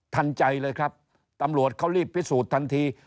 ทันใจเลยครับตำรวจเขารีบพิสูจน์ทันที